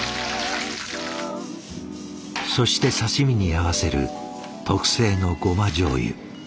そして刺身に合わせる特製のゴマじょうゆ。